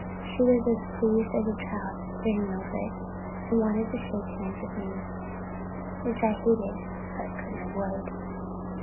She was as pleased as a child, grinning all over, and wanting to shake hands with me, which I hated but couldn't avoid.